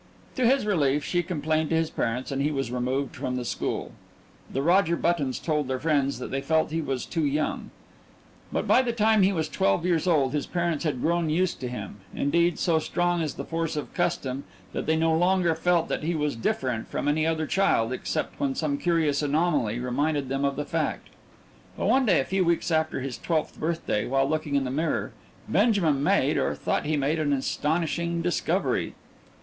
To his relief she complained to his parents, and he was removed from the school. The Roger Buttons told their friends that they felt he was too young. By the time he was twelve years old his parents had grown used to him. Indeed, so strong is the force of custom that they no longer felt that he was different from any other child except when some curious anomaly reminded them of the fact. But one day a few weeks after his twelfth birthday, while looking in the mirror, Benjamin made, or thought he made, an astonishing discovery.